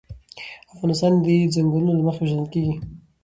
افغانستان د چنګلونه له مخې پېژندل کېږي.